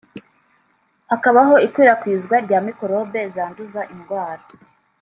hakabaho ikwirakwizwa rya mikorobe zanduza indwara